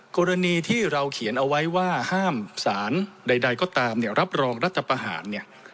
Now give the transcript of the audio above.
กรณีที่เราเขียนเอาไว้ว่าห้ามสารใดก็ตามเนี่ยรับรองรัฐประหารเนี่ย